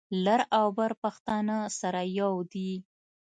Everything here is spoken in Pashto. لر او بر پښتانه سره یو دي.